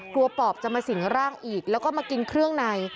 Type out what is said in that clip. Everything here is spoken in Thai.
ปอบจะมาสิ่งร่างอีกแล้วก็มากินเครื่องใน